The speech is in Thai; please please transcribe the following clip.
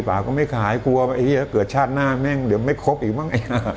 ป่าก็ไม่ขายกลัวไอเหี้ยเกือบชาติหน้าแม่งเหลือไม่ครบอีกบ้างไง